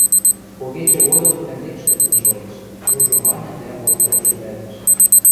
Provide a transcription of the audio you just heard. – Когечӹ годым ӹндекш тӹлзӹ шоэш, – Жужо маньы дӓ ойхырен шӱлӓлтӹш.